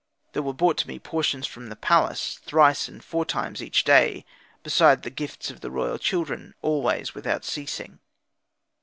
There were brought to me portions from the palace, thrice and four times each day; besides the gifts of the royal children, always, without ceasing.